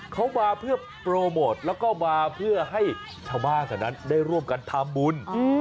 เขามาเพื่อโปรโมทแล้วก็มาเพื่อให้ชาวบ้านแถวนั้นได้ร่วมกันทำบุญ